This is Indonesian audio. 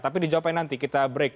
tapi dijawabkan nanti kita break